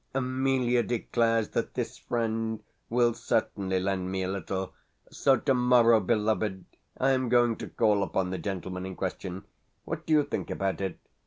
Emelia declares that this friend will certainly lend me a little; so tomorrow, beloved, I am going to call upon the gentleman in question.... What do you think about it?